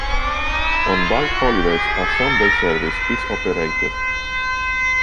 On bank holidays, a Sunday service is operated.